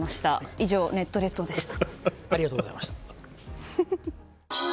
以上、ネット列島でした。